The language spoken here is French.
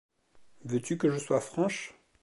Veux-tu que je sois franche ?